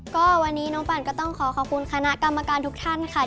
ก็วันนี้น้องปั่นก็ต้องขอขอบคุณคณะกรรมการทุกท่านค่ะ